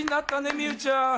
みうちゃん。